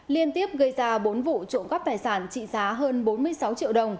liên tiếp gây ra bốn vụ trộm cắp tài sản trị giá hơn bốn mươi sáu triệu đồng